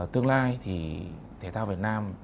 tương lai thì thể thao việt nam